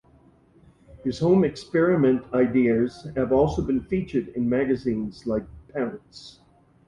His home experiment ideas have also been featured in magazines like Parents.